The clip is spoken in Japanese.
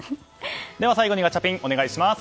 では最後にガチャピン、お願いします。